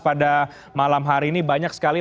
pada malam hari ini banyak sekali